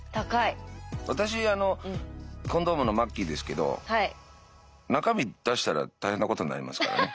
私コンドームのまっきぃですけど中身出したら大変なことになりますからね。